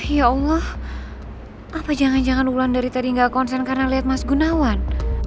ya allah apa jangan jangan wulan dari tadi nggak konsen karena lihat mas gunawan